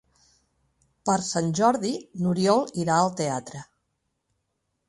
Per Sant Jordi n'Oriol irà al teatre.